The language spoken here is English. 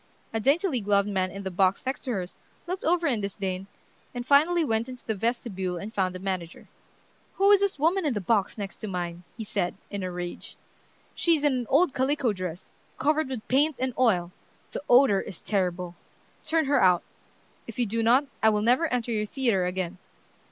A daintily gloved man in the box next to hers looked over in disdain, and finally went into the vestibule and found the manager. "Who is this woman in the box next to mine?" he said, in a rage. "She's in an old calico dress, covered with paint and oil. The odor is terrible. Turn her out. If you do not, I will never enter your theatre again."